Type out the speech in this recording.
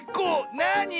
なに。